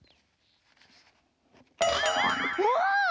うわ！